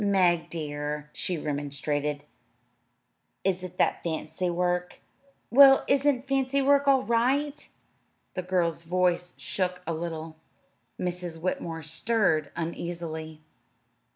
"Meg, dear," she remonstrated, "is it that fancy work?" "Well, isn't fancy work all right?" The girl's voice shook a little. Mrs. Whitmore stirred uneasily.